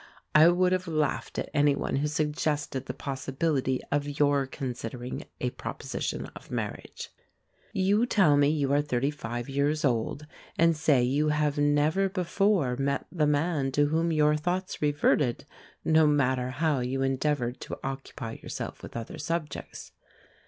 I would have laughed at any one who suggested the possibility of your considering a proposition of marriage. You tell me you are thirty five years old, and say you have never before met the man to whom your thoughts reverted, no matter how you endeavoured to occupy yourself with other subjects.